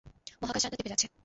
মহাকাশযানটা দেবে যাচ্ছে।